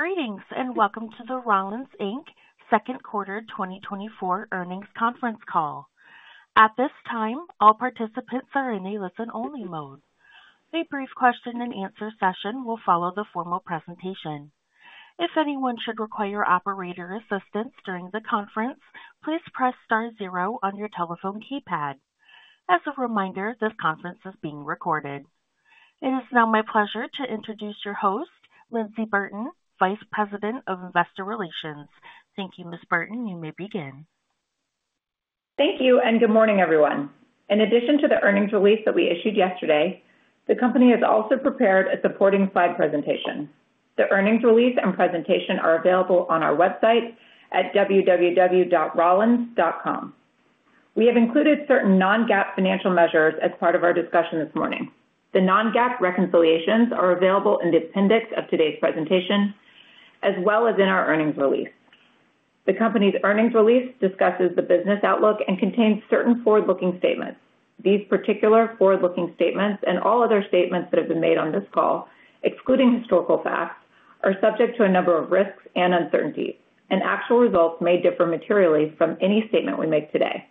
Greetings, and welcome to the Rollins, Inc. second quarter 2024 earnings conference call. At this time, all participants are in a listen-only mode. A brief question-and-answer session will follow the formal presentation. If anyone should require operator assistance during the conference, please press star zero on your telephone keypad. As a reminder, this conference is being recorded. It is now my pleasure to introduce your host, Lyndsey Burton, Vice President of Investor Relations. Thank you, Ms. Burton. You may begin. Thank you, and good morning, everyone. In addition to the earnings release that we issued yesterday, the company has also prepared a supporting slide presentation. The earnings release and presentation are available on our website at www.rollins.com. We have included certain non-GAAP financial measures as part of our discussion this morning. The non-GAAP reconciliations are available in the appendix of today's presentation, as well as in our earnings release. The company's earnings release discusses the business outlook and contains certain forward-looking statements. These particular forward-looking statements and all other statements that have been made on this call, excluding historical facts, are subject to a number of risks and uncertainties, and actual results may differ materially from any statement we make today.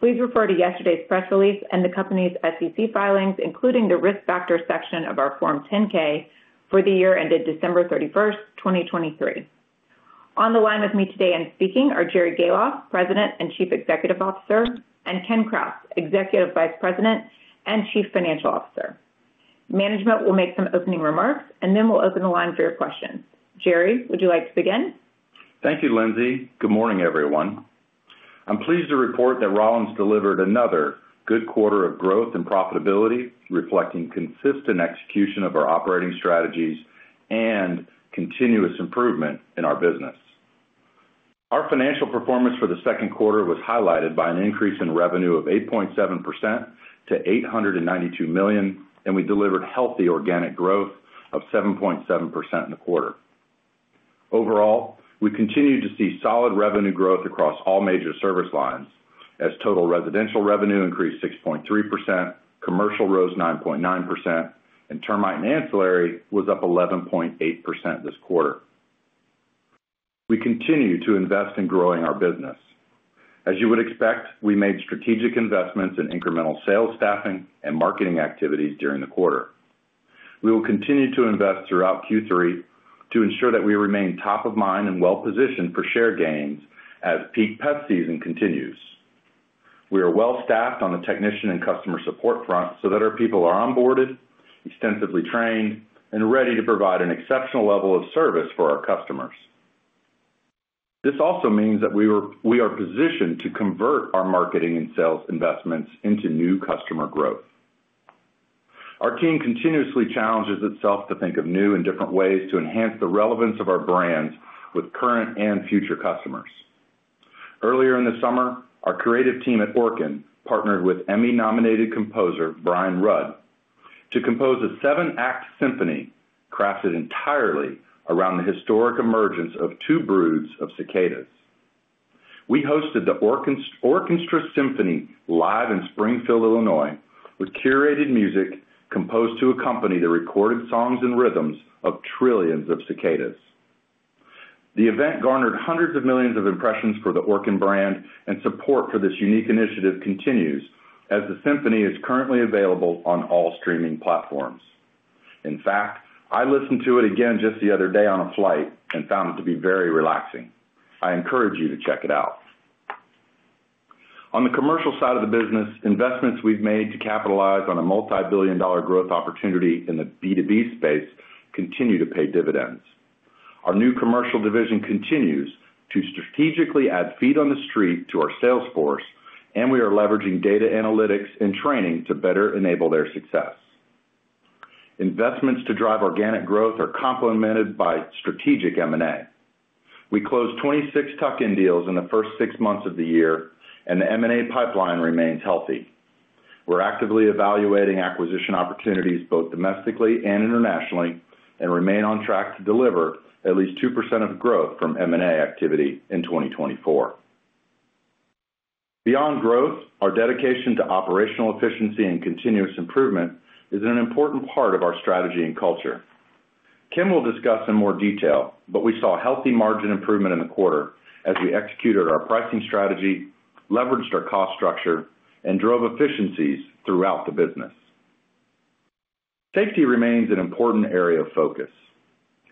Please refer to yesterday's press release and the company's SEC filings, including the Risk Factors section of our Form 10-K for the year ended December 31, 2023. On the line with me today and speaking are Jerry Gahlhoff, President and Chief Executive Officer, and Kenneth Krause, Executive Vice President and Chief Financial Officer. Management will make some opening remarks, and then we'll open the line for your questions. Jerry, would you like to begin? Thank you, Lyndsey. Good morning, everyone. I'm pleased to report that Rollins delivered another good quarter of growth and profitability, reflecting consistent execution of our operating strategies and continuous improvement in our business. Our financial performance for the second quarter was highlighted by an increase in revenue of 8.7% to $892 million, and we delivered healthy organic growth of 7.7% in the quarter. Overall, we continued to see solid revenue growth across all major service lines as total residential revenue increased 6.3%, commercial rose 9.9%, and termite and ancillary was up 11.8% this quarter. We continue to invest in growing our business. As you would expect, we made strategic investments in incremental sales, staffing, and marketing activities during the quarter. We will continue to invest throughout Q3 to ensure that we remain top of mind and well-positioned for share gains as peak pest season continues. We are well staffed on the technician and customer support front so that our people are onboarded, extensively trained, and ready to provide an exceptional level of service for our customers. This also means that we are positioned to convert our marketing and sales investments into new customer growth. Our team continuously challenges itself to think of new and different ways to enhance the relevance of our brands with current and future customers. Earlier in the summer, our creative team at Orkin partnered with Emmy-nominated composer Brian Rheude to compose a seven-act symphony crafted entirely around the historic emergence of two broods of cicadas. We hosted the Orkin Orkinstra Symphony Live in Springfield, Illinois, with curated music composed to accompany the recorded songs and rhythms of trillions of cicadas. The event garnered hundreds of millions of impressions for the Orkin brand, and support for this unique initiative continues as the symphony is currently available on all streaming platforms. In fact, I listened to it again just the other day on a flight and found it to be very relaxing. I encourage you to check it out. On the commercial side of the business, investments we've made to capitalize on a multi-billion dollar growth opportunity in the B2B space continue to pay dividends. Our new commercial division continues to strategically add feet on the street to our sales force, and we are leveraging data analytics and training to better enable their success. Investments to drive organic growth are complemented by strategic M&A. We closed 26 tuck-in deals in the first six months of the year, and the M&A pipeline remains healthy. We're actively evaluating acquisition opportunities, both domestically and internationally, and remain on track to deliver at least 2% of growth from M&A activity in 2024. Beyond growth, our dedication to operational efficiency and continuous improvement is an important part of our strategy and culture. Ken will discuss in more detail, but we saw healthy margin improvement in the quarter as we executed our pricing strategy, leveraged our cost structure, and drove efficiencies throughout the business. Safety remains an important area of focus.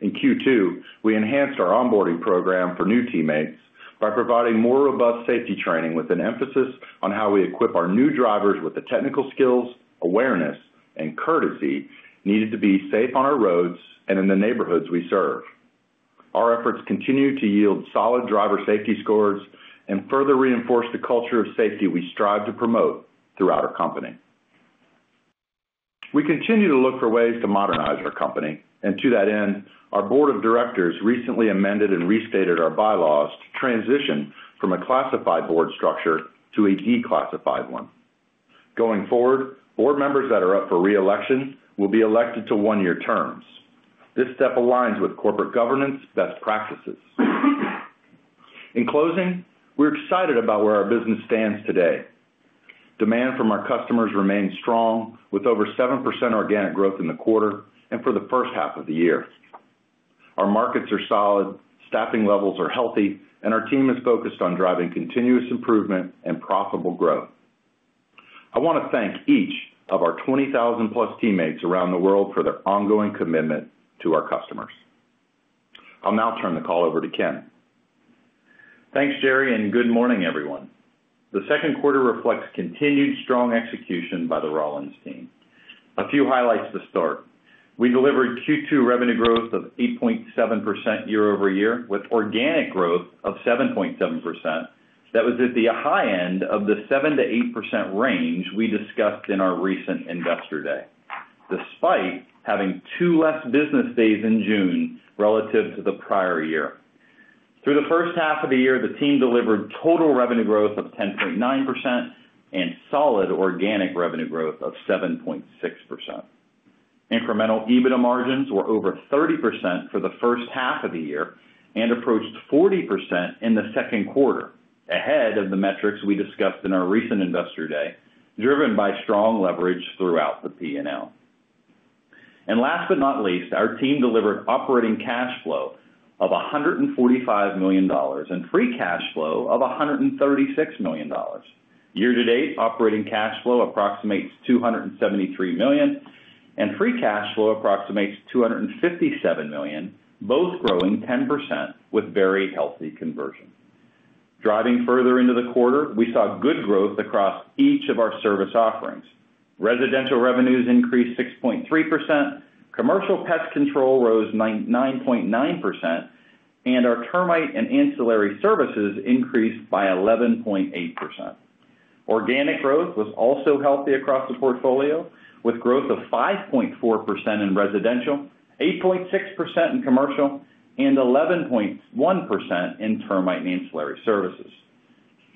In Q2, we enhanced our onboarding program for new teammates by providing more robust safety training, with an emphasis on how we equip our new drivers with the technical skills, awareness, and courtesy needed to be safe on our roads and in the neighborhoods we serve. Our efforts continue to yield solid driver safety scores and further reinforce the culture of safety we strive to promote throughout our company. We continue to look for ways to modernize our company, and to that end, our board of directors recently amended and restated our bylaws to transition from a classified board structure to a declassified one. Going forward, board members that are up for re-election will be elected to one-year terms. This step aligns with corporate governance best practices. In closing, we're excited about where our business stands today. Demand from our customers remains strong, with over 7% organic growth in the quarter and for the first half of the year. Our markets are solid, staffing levels are healthy, and our team is focused on driving continuous improvement and profitable growth. I want to thank each of our 20,000+ teammates around the world for their ongoing commitment to our customers. I'll now turn the call over to Ken. Thanks, Jerry, and good morning, everyone. The second quarter reflects continued strong execution by the Rollins team. A few highlights to start. We delivered Q2 revenue growth of 8.7% year-over-year, with organic growth of 7.7%. That was at the high end of the 7%-8% range we discussed in our recent Investor Day, despite having 2 less business days in June relative to the prior year. Through the first half of the year, the team delivered total revenue growth of 10.9% and solid organic revenue growth of 7.6%. Incremental EBITDA margins were over 30% for the first half of the year and approached 40% in the second quarter, ahead of the metrics we discussed in our recent Investor Day, driven by strong leverage throughout the P&L. Last but not least, our team delivered operating cash flow of $145 million and free cash flow of $136 million. Year-to-date, operating cash flow approximates $273 million, and free cash flow approximates $257 million, both growing 10% with very healthy conversion. Driving further into the quarter, we saw good growth across each of our service offerings. Residential revenues increased 6.3%, commercial pest control rose 9.9%, and our termite and ancillary services increased by 11.8%. Organic growth was also healthy across the portfolio, with growth of 5.4% in residential, 8.6% in commercial, and 11.1% in termite and ancillary services.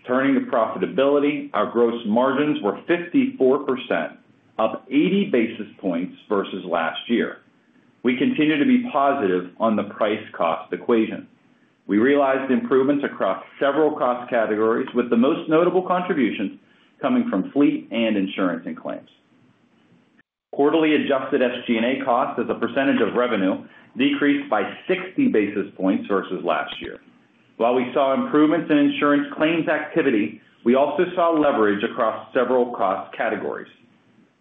Turning to profitability, our gross margins were 54%, up 80 basis points versus last year. We continue to be positive on the price-cost equation. We realized improvements across several cost categories, with the most notable contributions coming from fleet and insurance and claims. Quarterly adjusted SG&A costs, as a percentage of revenue, decreased by 60 basis points versus last year. While we saw improvements in insurance claims activity, we also saw leverage across several cost categories.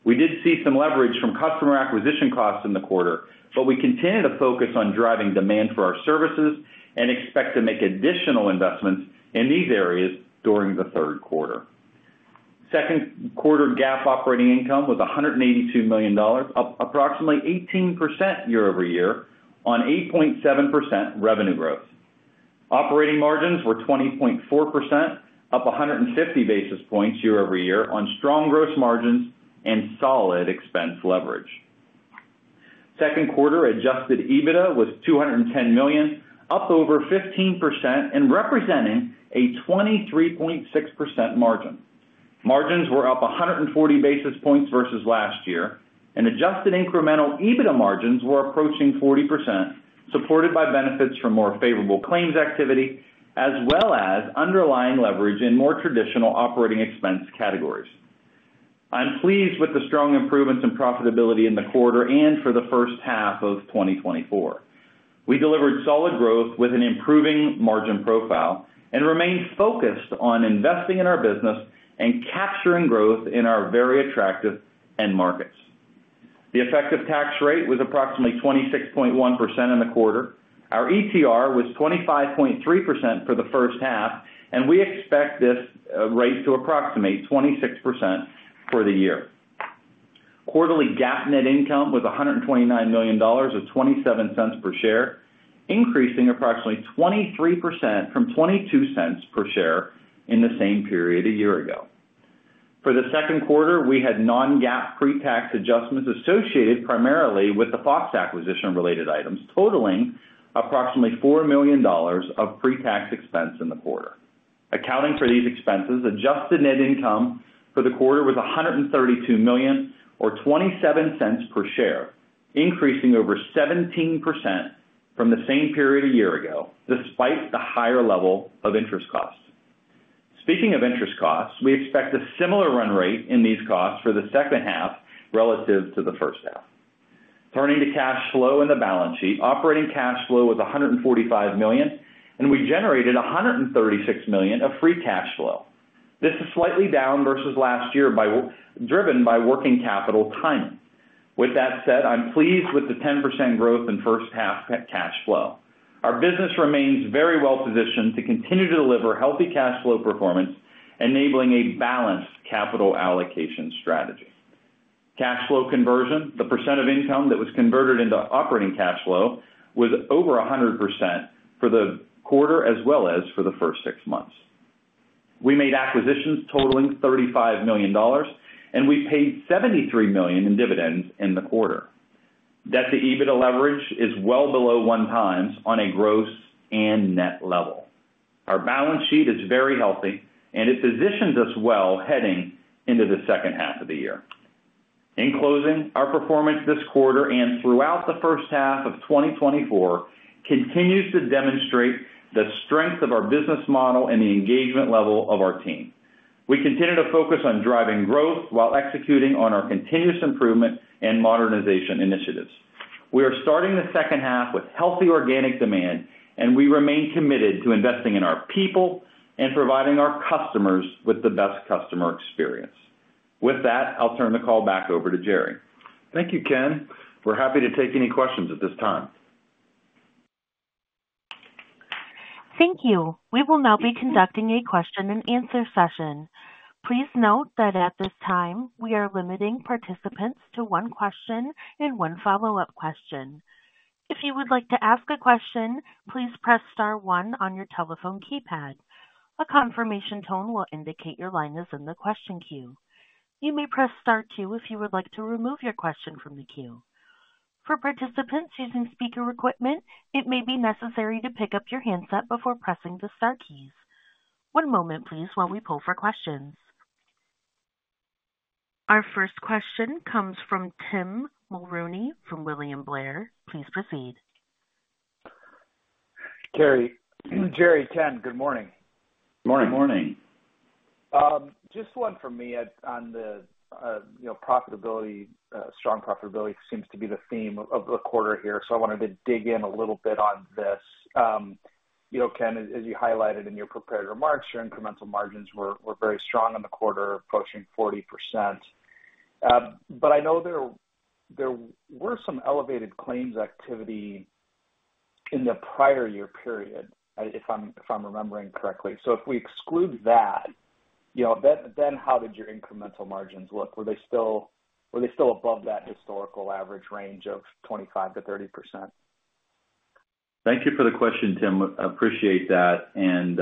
We did see some leverage from customer acquisition costs in the quarter, but we continue to focus on driving demand for our services and expect to make additional investments in these areas during the third quarter. Second quarter GAAP operating income was $182 million, up approximately 18% year-over-year on 8.7% revenue growth. Operating margins were 20.4%, up 150 basis points year-over-year on strong gross margins and solid expense leverage. Second quarter Adjusted EBITDA was $210 million, up over 15% and representing a 23.6% margin. Margins were up 140 basis points versus last year, and adjusted incremental EBITDA margins were approaching 40%, supported by benefits from more favorable claims activity, as well as underlying leverage in more traditional operating expense categories. I'm pleased with the strong improvements in profitability in the quarter and for the first half of 2024. We delivered solid growth with an improving margin profile and remain focused on investing in our business and capturing growth in our very attractive end markets. The effective tax rate was approximately 26.1% in the quarter. Our ETR was 25.3% for the first half, and we expect this rate to approximate 26% for the year. Quarterly GAAP net income was $129 million, or $0.27 per share, increasing approximately 23% from $0.22 per share in the same period a year ago. For the second quarter, we had non-GAAP pretax adjustments associated primarily with the Fox acquisition-related items, totaling approximately $4 million of pretax expense in the quarter. Accounting for these expenses, adjusted net income for the quarter was $132 million, or $0.27 per share, increasing over 17% from the same period a year ago, despite the higher level of interest costs. Speaking of interest costs, we expect a similar run rate in these costs for the second half relative to the first half. Turning to cash flow and the balance sheet, operating cash flow was $145 million, and we generated $136 million of free cash flow. This is slightly down versus last year by, driven by working capital timing. With that said, I'm pleased with the 10% growth in first half cash flow. Our business remains very well positioned to continue to deliver healthy cash flow performance, enabling a balanced capital allocation strategy. Cash flow conversion, the % of income that was converted into operating cash flow, was over 100% for the quarter as well as for the first six months. We made acquisitions totaling $35 million, and we paid $73 million in dividends in the quarter. Debt to EBITDA leverage is well below one times on a gross and net level. Our balance sheet is very healthy, and it positions us well heading into the second half of the year. In closing, our performance this quarter and throughout the first half of 2024 continues to demonstrate the strength of our business model and the engagement level of our team. We continue to focus on driving growth while executing on our continuous improvement and modernization initiatives. We are starting the second half with healthy organic demand, and we remain committed to investing in our people and providing our customers with the best customer experience. With that, I'll turn the call back over to Jerry. Thank you, Ken. We're happy to take any questions at this time. Thank you. We will now be conducting a question-and-answer session. Please note that at this time, we are limiting participants to one question and one follow-up question. If you would like to ask a question, please press star one on your telephone keypad. A confirmation tone will indicate your line is in the question queue. You may press star two if you would like to remove your question from the queue. For participants using speaker equipment, it may be necessary to pick up your handset before pressing the star keys. One moment, please, while we poll for questions. Our first question comes from Tim Mulrooney from William Blair. Please proceed. Jerry, Jerry, Ken, good morning. Morning. Good morning. Just one from me on the, you know, profitability, strong profitability seems to be the theme of the quarter here, so I wanted to dig in a little bit on this. You know, Ken, as you highlighted in your prepared remarks, your incremental margins were very strong in the quarter, approaching 40%. But I know there were some elevated claims activity in the prior year period, if I'm remembering correctly. So if we exclude that, you know, how did your incremental margins look? Were they still above that historical average range of 25%-30%? Thank you for the question, Tim. I appreciate that, and,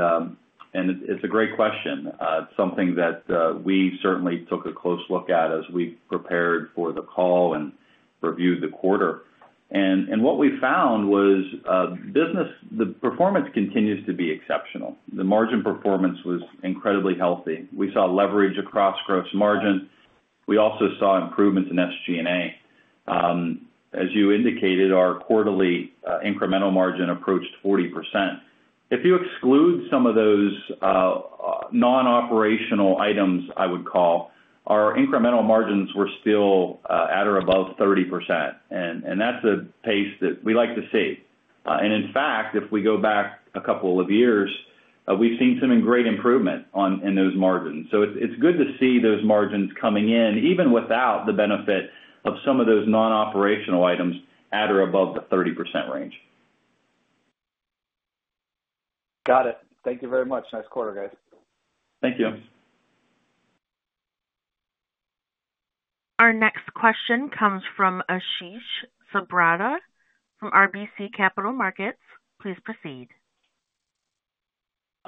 and it's a great question. Something that, we certainly took a close look at as we prepared for the call and reviewed the quarter. And, and what we found was, business, the performance continues to be exceptional. The margin performance was incredibly healthy. We saw leverage across gross margin. We also saw improvements in SG&A. As you indicated, our quarterly, incremental margin approached 40%. If you exclude some of those, non-operational items, I would call, our incremental margins were still, at or above 30%, and, and that's a pace that we like to see. And in fact, if we go back a couple of years, we've seen some great improvement on, in those margins. So it's good to see those margins coming in, even without the benefit of some of those non-operational items at or above the 30% range. Got it. Thank you very much. Nice quarter, guys. Thank you. Our next question comes from Ashish Sabadra from RBC Capital Markets. Please proceed.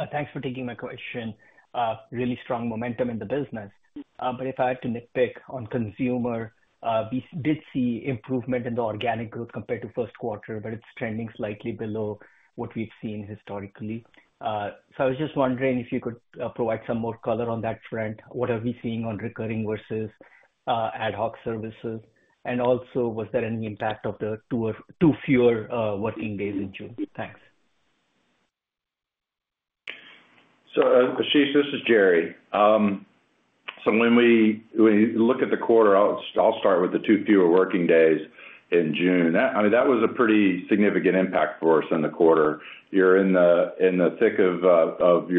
Thanks for taking my question. Really strong momentum in the business. But if I had to nitpick on consumer, we did see improvement in the organic growth compared to first quarter, but it's trending slightly below what we've seen historically. So I was just wondering if you could provide some more color on that front. What are we seeing on recurring versus ad hoc services? And also, was there any impact of the 2 or 2 fewer working days in June? Thanks. So, Ashish, this is Jerry. So when we look at the quarter, I'll start with the 2 fewer working days in June. That, I mean, that was a pretty significant impact for us in the quarter. You're in the thick of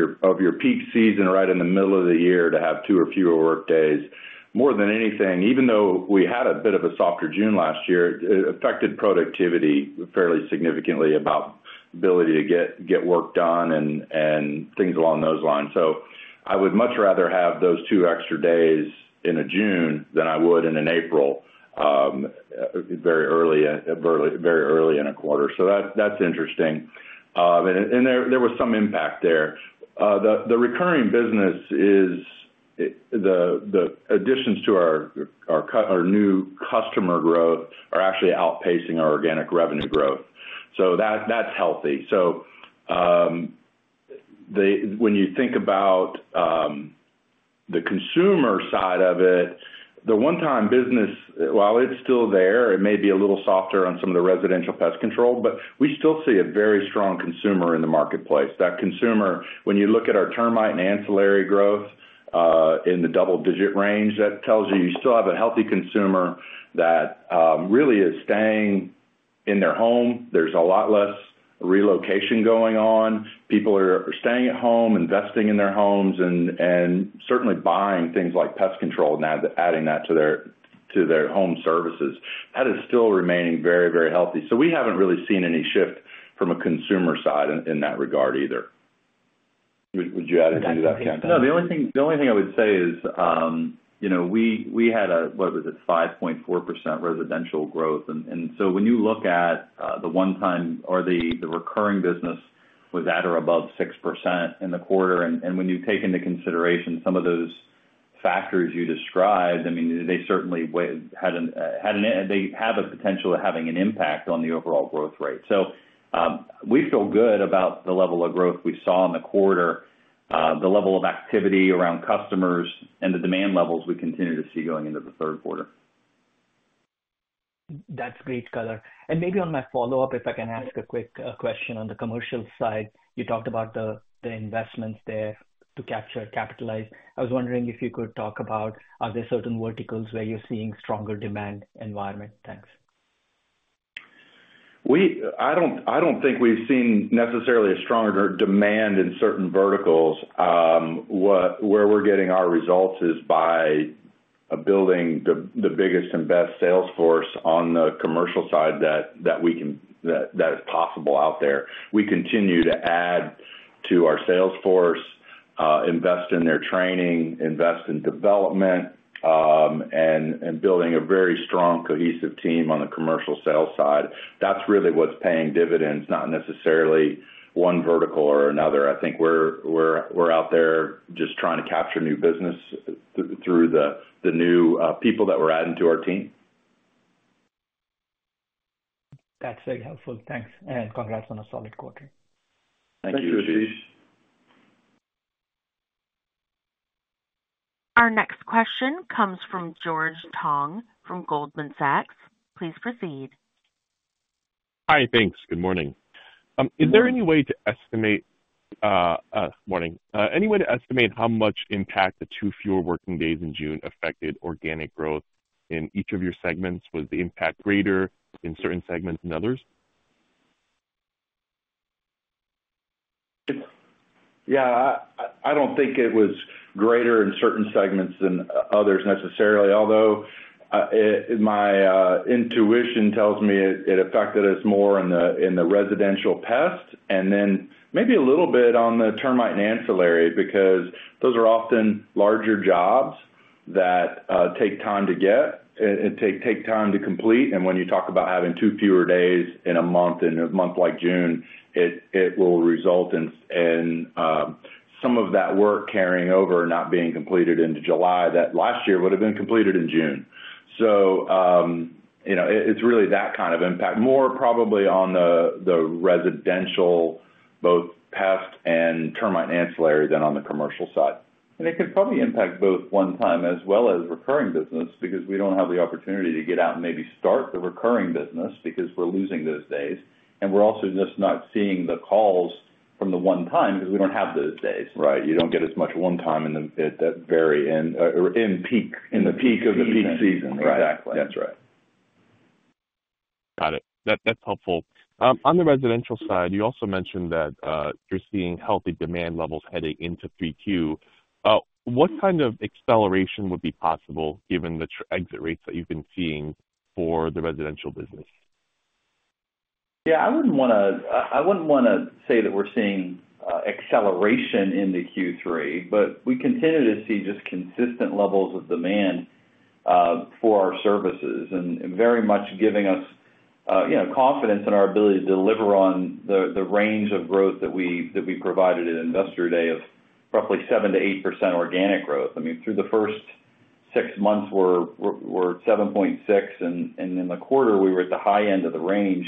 your peak season, right in the middle of the year to have 2 or fewer work days. More than anything, even though we had a bit of a softer June last year, it affected productivity fairly significantly about ability to get work done and things along those lines. So I would much rather have those 2 extra days in a June than I would in an April, very early in a quarter. So that's interesting. And there was some impact there. The recurring business is the additions to our new customer growth are actually outpacing our organic revenue growth. So that, that's healthy. When you think about the consumer side of it, the one-time business, while it's still there, it may be a little softer on some of the residential pest control, but we still see a very strong consumer in the marketplace. That consumer, when you look at our termite and ancillary growth in the double-digit range, that tells you you still have a healthy consumer that really is staying in their home. There's a lot less relocation going on. People are staying at home, investing in their homes and certainly buying things like pest control and adding that to their home services. That is still remaining very, very healthy. So we haven't really seen any shift from a consumer side in that regard either. Would you add anything to that, Ken? No, the only thing, the only thing I would say is, you know, we had a, what was it? 5.4% residential growth. And so when you look at the one time or the recurring business was at or above 6% in the quarter, and when you take into consideration some of those factors you described, I mean, they certainly had an impact, they have a potential of having an impact on the overall growth rate. So, we feel good about the level of growth we saw in the quarter. The level of activity around customers and the demand levels we continue to see going into the third quarter. That's great color. And maybe on my follow-up, if I can ask a quick question on the commercial side. You talked about the investments there to capture, capitalize. I was wondering if you could talk about, are there certain verticals where you're seeing stronger demand environment? Thanks. I don't think we've seen necessarily a stronger demand in certain verticals. Where we're getting our results is by building the biggest and best sales force on the commercial side that we can—that is possible out there. We continue to add to our sales force, invest in their training, invest in development, and building a very strong, cohesive team on the commercial sales side. That's really what's paying dividends, not necessarily one vertical or another. I think we're out there just trying to capture new business through the new people that we're adding to our team. That's very helpful. Thanks, and congrats on a solid quarter. Thank you, Ashish. Thank you. Our next question comes from George Tong, from Goldman Sachs. Please proceed. Hi, thanks. Good morning. Is there any way to estimate how much impact the two fewer working days in June affected organic growth in each of your segments? Was the impact greater in certain segments than others? Yeah, I don't think it was greater in certain segments than others necessarily, although my intuition tells me it affected us more in the residential pest, and then maybe a little bit on the termite and ancillary, because those are often larger jobs that take time to get and take time to complete. And when you talk about having 2 fewer days in a month, in a month like June, it will result in some of that work carrying over, not being completed into July, that last year would have been completed in June. So, you know, it's really that kind of impact, more probably on the residential, both pest and termite ancillary than on the commercial side. It could probably impact both one time as well as recurring business, because we don't have the opportunity to get out and maybe start the recurring business because we're losing those days. We're also just not seeing the calls from the one time, because we don't have those days. Right. You don't get as much one time at that very end or in peak- In the peak of the peak season. Exactly. That's right. Got it. That, that's helpful. On the residential side, you also mentioned that you're seeing healthy demand levels heading into 3Q. What kind of acceleration would be possible given the trailing exit rates that you've been seeing for the residential business? Yeah, I wouldn't want to say that we're seeing acceleration into Q3, but we continue to see just consistent levels of demand for our services, and very much giving us, you know, confidence in our ability to deliver on the range of growth that we provided at Investor Day of roughly 7%-8% organic growth. I mean, through the first six months, we're at 7.6, and in the quarter, we were at the high end of the range.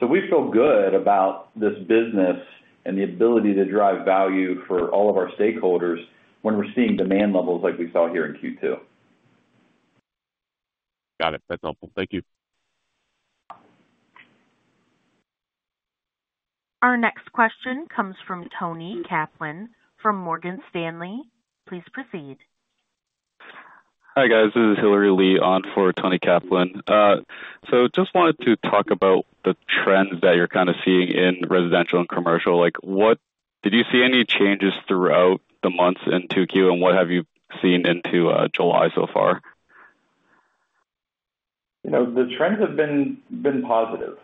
So we feel good about this business and the ability to drive value for all of our stakeholders when we're seeing demand levels like we saw here in Q2. Got it. That's helpful. Thank you. Our next question comes from Toni Kaplan from Morgan Stanley. Please proceed. Hi, guys. This is Hilary Lee on for Toni Kaplan. So just wanted to talk about the trends that you're kind of seeing in residential and commercial. Like, what—did you see any changes throughout the months in Q2, and what have you seen into July so far? You know, the trends have been positive.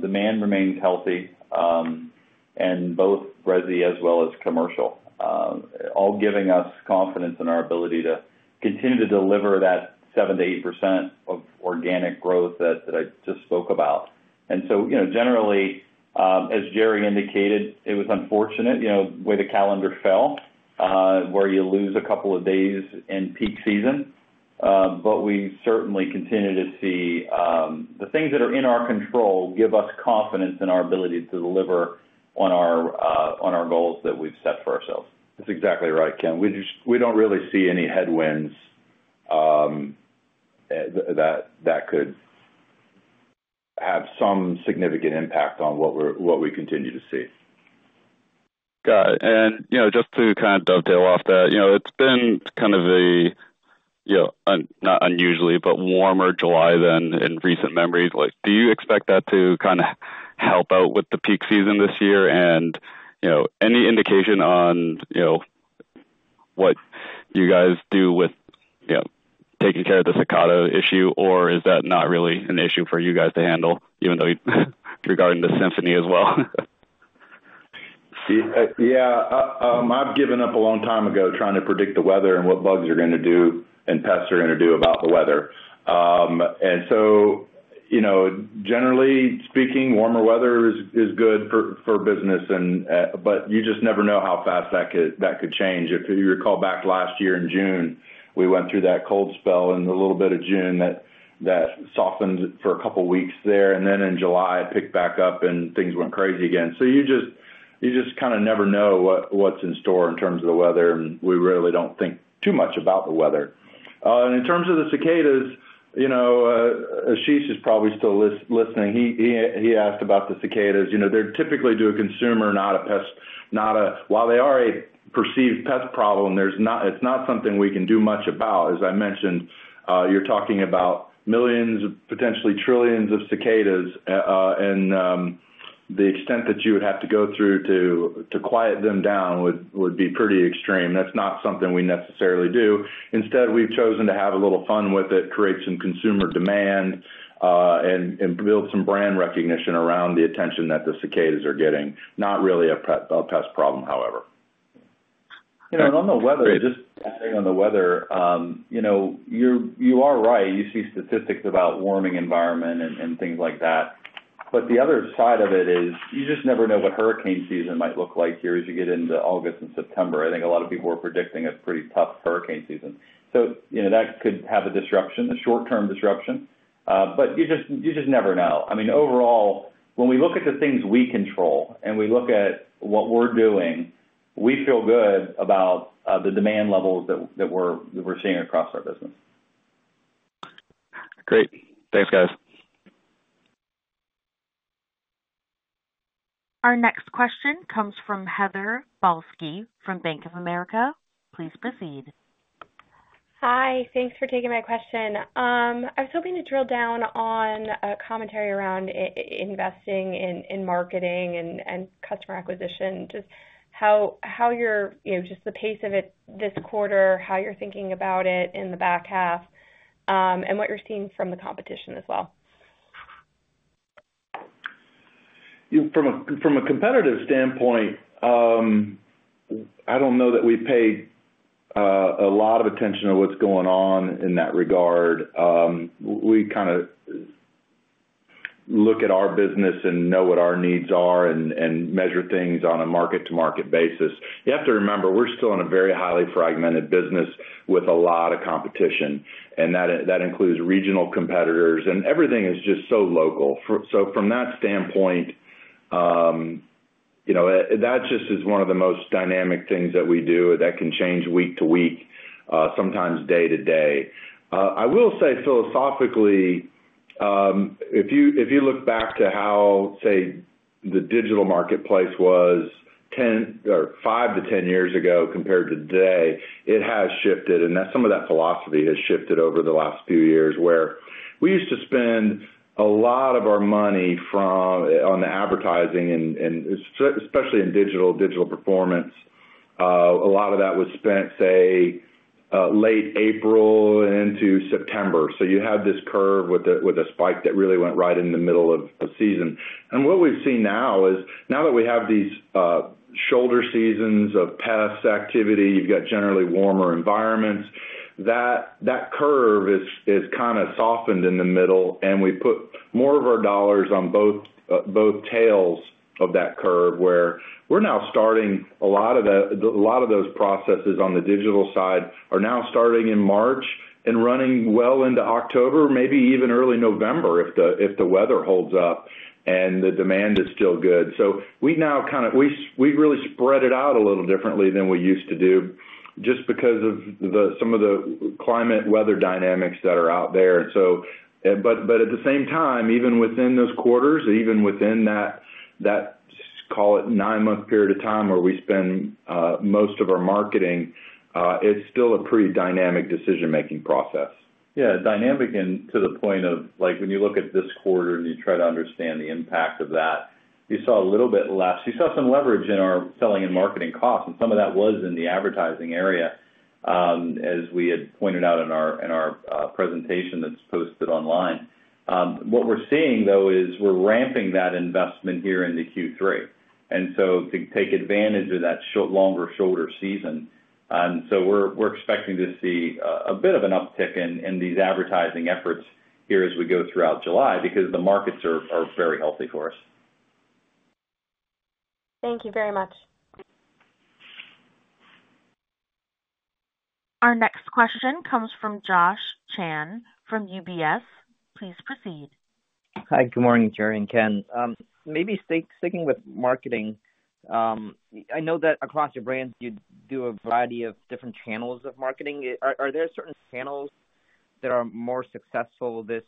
Demand remains healthy, and both resi as well as commercial, all giving us confidence in our ability to continue to deliver that 7%-8% of organic growth that I just spoke about. And so, you know, generally, as Jerry indicated, it was unfortunate, you know, the way the calendar fell, where you lose a couple of days in peak season. But we certainly continue to see, the things that are in our control give us confidence in our ability to deliver on our, on our goals that we've set for ourselves. That's exactly right, Ken. We don't really see any headwinds that could have some significant impact on what we continue to see. Got it. And, you know, just to kind of dovetail off that, you know, it's been kind of a, you know, unusually, but warmer July than in recent memory. Like, do you expect that to kind of help out with the peak season this year? And, you know, any indication on, you know, what you guys do with, you know, taking care of the cicada issue, or is that not really an issue for you guys to handle, even though regarding the symphony as well? I've given up a long time ago trying to predict the weather and what bugs are gonna do and pests are gonna do about the weather. And so, you know, generally speaking, warmer weather is good for business, but you just never know how fast that could change. If you recall back last year in June, we went through that cold spell and a little bit of June that softened for a couple of weeks there, and then in July, it picked back up and things went crazy again. So you just kind of never know what's in store in terms of the weather, and we really don't think too much about the weather. And in terms of the cicadas, you know, Ashish is probably still listening. He asked about the cicadas. You know, they're typically to a consumer, not a pest, not a-- while they are a perceived pest problem, there's not-- it's not something we can do much about. As I mentioned, you're talking about millions, potentially trillions of cicadas, and the extent that you would have to go through to quiet them down would be pretty extreme. That's not something we necessarily do. Instead, we've chosen to have a little fun with it, create some consumer demand, and build some brand recognition around the attention that the cicadas are getting. Not really a pet-- a pest problem, however. You know, and on the weather, just passing on the weather, you know, you, you are right. You see statistics about warming environment and, and things like that. But the other side of it is you just never know what hurricane season might look like here as you get into August and September. I think a lot of people are predicting a pretty tough hurricane season. So, you know, that could have a disruption, a short-term disruption, but you just, you just never know. I mean, overall, when we look at the things we control and we look at what we're doing, we feel good about the demand levels that, that we're, we're seeing across our business. Great. Thanks, guys. Our next question comes from Heather Balsky from Bank of America. Please proceed. Hi, thanks for taking my question. I was hoping to drill down on a commentary around investing in marketing and customer acquisition. Just how you're... You know, just the pace of it this quarter, how you're thinking about it in the back half, and what you're seeing from the competition as well. From a competitive standpoint, I don't know that we pay a lot of attention to what's going on in that regard. We kind of look at our business and know what our needs are and measure things on a market-to-market basis. You have to remember, we're still in a very highly fragmented business with a lot of competition, and that includes regional competitors, and everything is just so local. So from that standpoint, you know, that just is one of the most dynamic things that we do that can change week to week, sometimes day to day. I will say philosophically, if you look back to how, say, the digital marketplace was 10 or 5 to 10 years ago compared to today, it has shifted, and that, some of that philosophy has shifted over the last few years, where we used to spend a lot of our money on the advertising and especially in digital performance. A lot of that was spent, say, late April into September. So you had this curve with a spike that really went right in the middle of the season. And what we've seen now is, now that we have these shoulder seasons of pest activity, you've got generally warmer environments, that curve is kind of softened in the middle, and we put more of our dollars on both tails of that curve, where we're now starting a lot of those processes on the digital side are now starting in March and running well into October, maybe even early November, if the weather holds up and the demand is still good. So we now kind of really spread it out a little differently than we used to do just because of some of the climate weather dynamics that are out there. So, but at the same time, even within those quarters, even within that nine-month period of time, where we spend most of our marketing, it's still a pretty dynamic decision-making process. Yeah, dynamic and to the point of like, when you look at this quarter and you try to understand the impact of that, you saw a little bit less. You saw some leverage in our selling and marketing costs, and some of that was in the advertising area, as we had pointed out in our presentation that's posted online. What we're seeing, though, is we're ramping that investment here into Q3, and so to take advantage of that longer shoulder season. And so we're expecting to see a bit of an uptick in these advertising efforts here as we go throughout July because the markets are very healthy for us. Thank you very much. Our next question comes from Josh Chan, from UBS. Please proceed. Hi, good morning, Jerry and Ken. Maybe sticking with marketing, I know that across your brands, you do a variety of different channels of marketing. Are there certain channels that are more successful this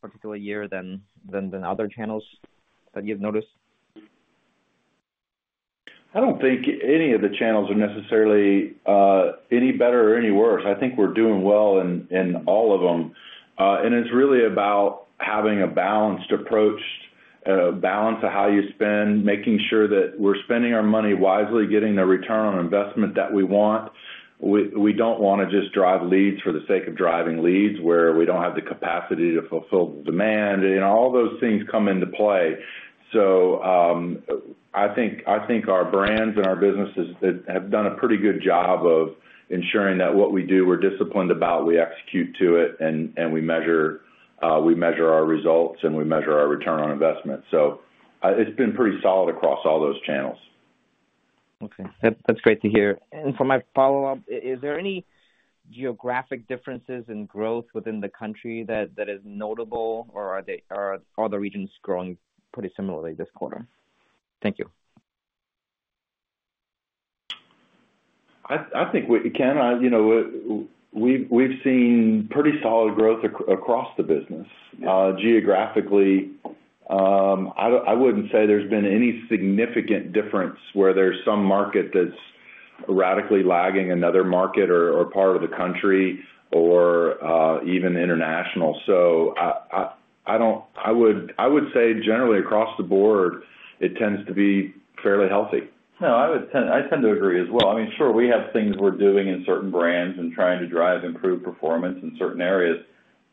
particular year than other channels that you've noticed? I don't think any of the channels are necessarily any better or any worse. I think we're doing well in all of them. And it's really about having a balanced approach, a balance of how you spend, making sure that we're spending our money wisely, getting the return on investment that we want. We don't want to just drive leads for the sake of driving leads, where we don't have the capacity to fulfill the demand. You know, all those things come into play. So, I think our brands and our businesses have done a pretty good job of ensuring that what we do, we're disciplined about, we execute to it, and we measure our results and we measure our return on investment. It's been pretty solid across all those channels.... Okay, that's, that's great to hear. For my follow-up, is there any geographic differences in growth within the country that is notable, or are the regions growing pretty similarly this quarter? Thank you. I think we, Ken, you know, we've seen pretty solid growth across the business. Geographically, I wouldn't say there's been any significant difference where there's some market that's radically lagging another market or part of the country or even international. So I don't. I would say generally across the board, it tends to be fairly healthy. No, I tend to agree as well. I mean, sure, we have things we're doing in certain brands and trying to drive improved performance in certain areas,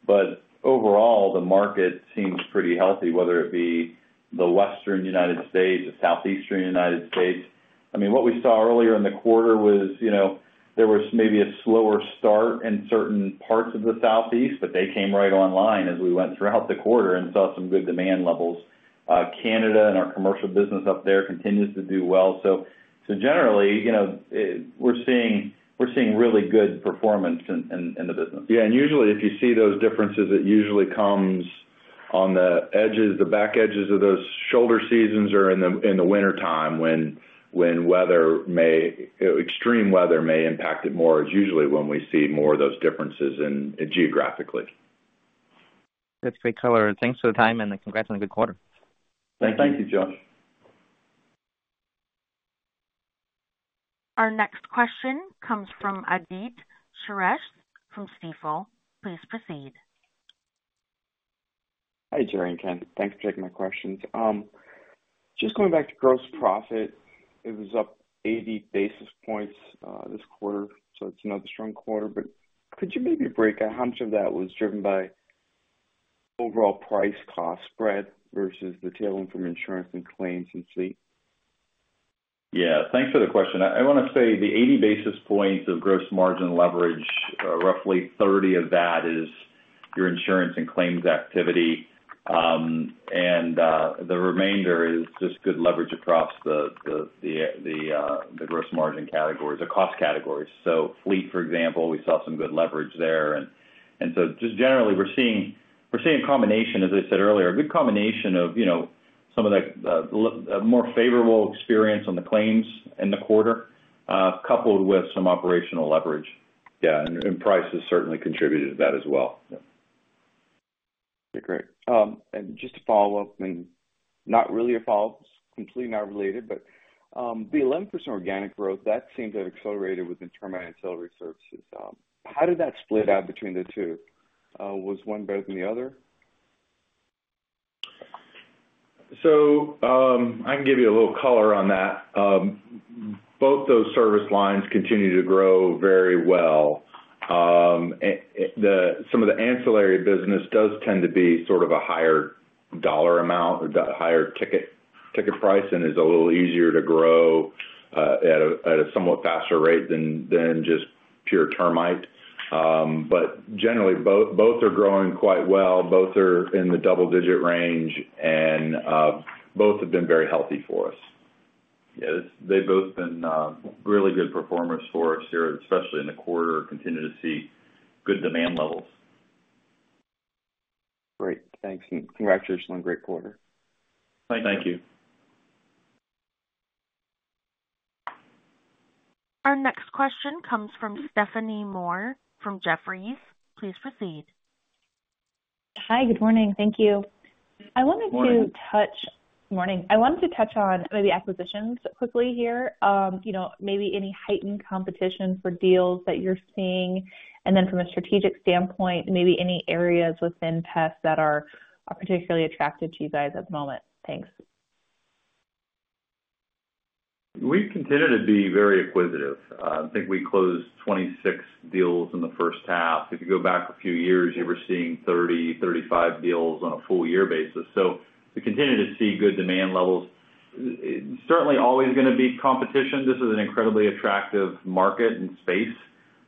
but overall, the market seems pretty healthy, whether it be the Western United States, the Southeastern United States. I mean, what we saw earlier in the quarter was, you know, there was maybe a slower start in certain parts of the Southeast, but they came right online as we went throughout the quarter and saw some good demand levels. Canada and our commercial business up there continues to do well. So generally, you know, we're seeing really good performance in the business. Yeah, and usually, if you see those differences, it usually comes on the edges, the back edges of those shoulder seasons or in the wintertime, when weather may... extreme weather may impact it more, is usually when we see more of those differences geographically. That's great color. Thanks for the time, and congrats on a good quarter. Thank you, Josh. Our next question comes from Aditya Suresh from Stifel. Please proceed. Hi, Jerry and Ken. Thanks for taking my questions. Just going back to gross profit, it was up 80 basis points this quarter, so it's another strong quarter. But could you maybe break out how much of that was driven by overall price cost spread versus the tailwind from insurance and claims and fleet? Yeah. Thanks for the question. I wanna say the 80 basis points of gross margin leverage, roughly 30 of that is your insurance and claims activity. And the remainder is just good leverage across the gross margin categories, the cost categories. So fleet, for example, we saw some good leverage there. And so just generally, we're seeing a combination, as I said earlier, a good combination of, you know, some of a more favorable experience on the claims in the quarter, coupled with some operational leverage. Yeah, and prices certainly contributed to that as well. Okay, great. And just to follow up, and not really a follow-up, it's completely not related, but, the 11% organic growth, that seems to have accelerated with the termite and ancillary services. How did that split out between the two? Was one better than the other? So, I can give you a little color on that. Both those service lines continue to grow very well. Some of the ancillary business does tend to be sort of a higher dollar amount, or higher ticket price, and is a little easier to grow at a somewhat faster rate than just pure termite. But generally, both are growing quite well. Both are in the double-digit range, and both have been very healthy for us. Yeah, they've both been really good performers for us here, especially in the quarter. Continue to see good demand levels. Great. Thanks, and congratulations on a great quarter. Thank you. Thank you. Our next question comes from Stephanie Moore from Jefferies. Please proceed. Hi, good morning. Thank you. Good morning. Morning. I wanted to touch on maybe acquisitions quickly here. You know, maybe any heightened competition for deals that you're seeing, and then from a strategic standpoint, maybe any areas within pest that are particularly attractive to you guys at the moment? Thanks. We continue to be very acquisitive. I think we closed 26 deals in the first half. If you go back a few years, you were seeing 30, 35 deals on a full year basis. So we continue to see good demand levels. Certainly, always gonna be competition. This is an incredibly attractive market and space,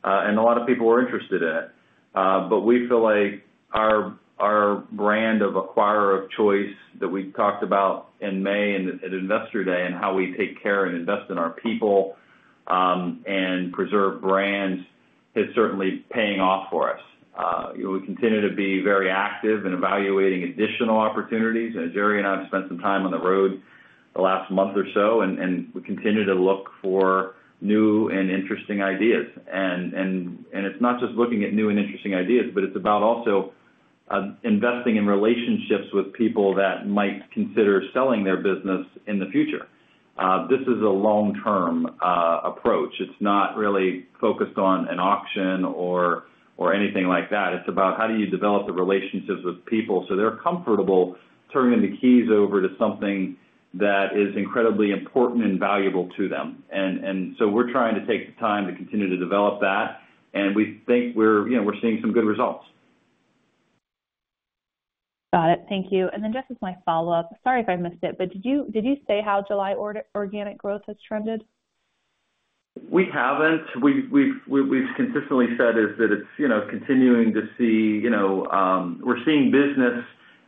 and a lot of people are interested in it. But we feel like our brand of acquirer of choice that we talked about in May and at Investor Day, and how we take care and invest in our people, and preserve brands, is certainly paying off for us. We continue to be very active in evaluating additional opportunities. Jerry and I have spent some time on the road the last month or so, and we continue to look for new and interesting ideas. It's not just looking at new and interesting ideas, but it's about also investing in relationships with people that might consider selling their business in the future. This is a long-term approach. It's not really focused on an auction or anything like that. It's about how do you develop the relationships with people so they're comfortable turning the keys over to something that is incredibly important and valuable to them. And so we're trying to take the time to continue to develop that, and we think we're, you know, we're seeing some good results. Got it. Thank you. And then just as my follow-up, sorry if I missed it, but did you, did you say how July organic growth has trended? We haven't. We've consistently said is that it's, you know, continuing to see, you know, we're seeing business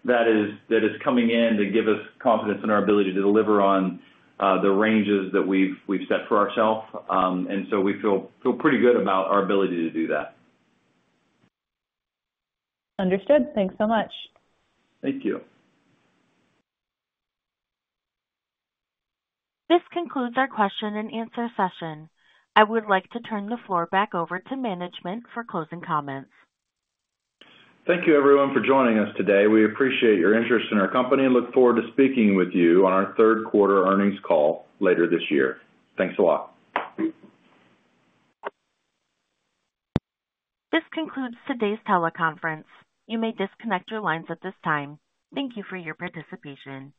that is coming in to give us confidence in our ability to deliver on the ranges that we've set for ourselves. And so we feel pretty good about our ability to do that. Understood. Thanks so much. Thank you. This concludes our question-and-answer session. I would like to turn the floor back over to management for closing comments. Thank you, everyone, for joining us today. We appreciate your interest in our company and look forward to speaking with you on our third quarter earnings call later this year. Thanks a lot. This concludes today's teleconference. You may disconnect your lines at this time. Thank you for your participation.